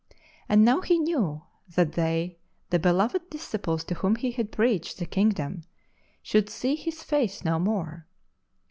And now he knew that they, the beloved disciples to whom he had preached the Kingdom, should see his face no more.